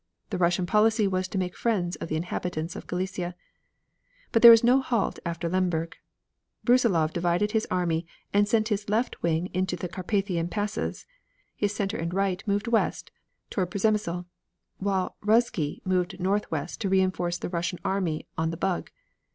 The Russian policy was to make friends of the inhabitants of Galicia. But there was no halt after Lemberg. Brussilov divided his army, and sent his left wing into the Carpathian passes; his center and right moved west toward Przemysl; while Ruzsky moved northwest to reinforce the Russian army on the Bug.